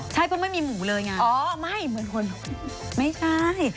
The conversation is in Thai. ใช่เพิ่งไม่มีหมูเลยไงอ๋อไม่เหมือนคนไม่ใช่